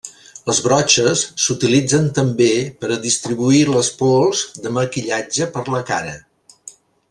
Les brotxes s'utilitzen també per a distribuir les pols de maquillatge per la cara.